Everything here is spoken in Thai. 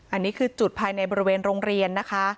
อันนี้คือจุดภายในบริเวณโรงเรียนนะคะ